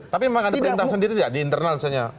tapi memang ada perintah sendiri tidak di internal misalnya